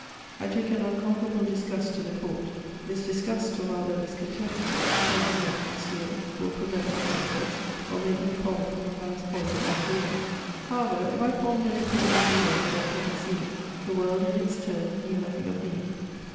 I took an unconquerable disgust to the court. This disgust, or rather this contempt, which I could not conceal, will prevent my success, or make me fall from the highest point of mj career. However, if I formed an opinion of the world without having seen it, the world, in its turn, knew nothing of me.